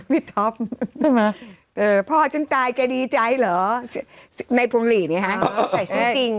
พี่ทอบได้ไหมเออพ่อฉันตายแกดีใจเหรอในพรุงหลีเนี้ยฮะเขาใส่ชื่อจริง